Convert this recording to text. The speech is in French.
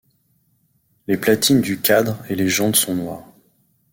Les platines du cadre et les jantes sont noires.